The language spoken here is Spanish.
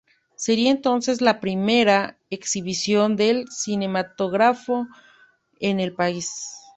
Sería entonces la primera exhibición del cinematógrafo en el país.